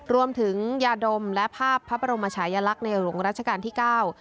รวมถึงยาดมและภาพพระบรมชายลักษณ์ในหลวงรัชกาลที่เก้า